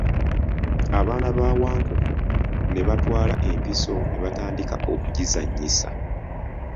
Abaana ba Wankoko ne batwala empiso ne batandika okugizannyisa.